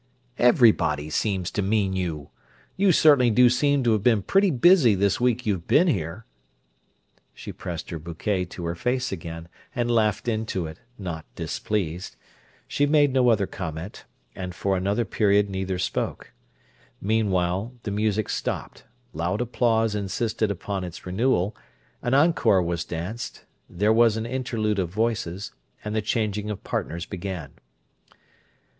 "Everybody seems to mean you! You certainly do seem to've been pretty busy this week you've been here!" She pressed her bouquet to her face again, and laughed into it, not displeased. She made no other comment, and for another period neither spoke. Meanwhile the music stopped; loud applause insisted upon its renewal; an encore was danced; there was an interlude of voices; and the changing of partners began.